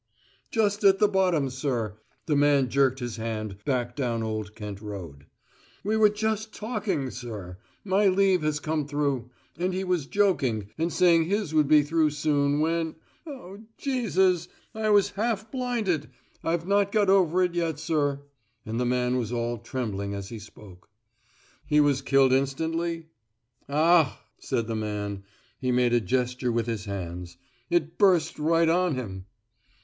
"Just at the bottom, sir" the man jerked his hand back down Old Kent Road. "We were just talking, sir. My leave has come through, and he was joking, and saying his would be through soon, when ... oh, Jesus ... I was half blinded.... I've not got over it yet, sir." And the man was all trembling as he spoke. "He was killed instantly?" "Ach!" said the man. He made a gesture with his hands. "It burst right on him."